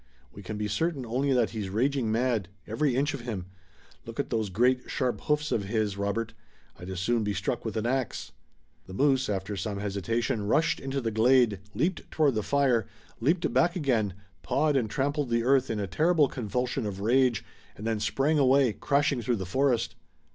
We can be certain only that he's raging mad, every inch of him. Look at those great sharp hoofs of his, Robert. I'd as soon be struck with an axe." The moose, after some hesitation, rushed into the glade, leaped toward the fire, leaped back again, pawed and trampled the earth in a terrible convulsion of rage, and then sprang away, crashing through the forest.